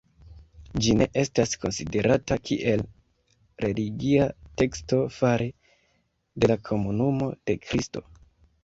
Ĝi ne estas konsiderata kiel religia teksto fare de la Komunumo de Kristo.